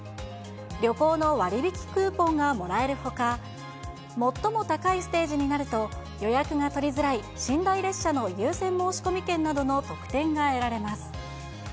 旅行の割引クーポンがもらえるほか、最も高いステージになると、予約が取りづらい寝台列車の優先申し込み権などの得点が得られます。